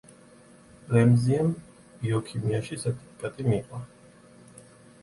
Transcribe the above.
რემზიემ ბიოქიმიაში სერტიფიკატი მიიღო.